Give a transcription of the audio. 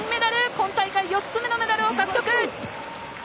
今大会４つ目のメダルを獲得！